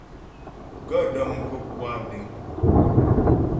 Gaə̌ də́ m kwə̂p wa deŋ.